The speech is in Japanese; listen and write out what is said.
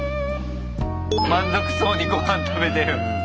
満足そうにごはん食べてる。